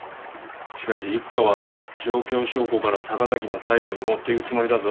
しかし一課は状況証拠から坂崎の逮捕にもっていくつもりだぞ。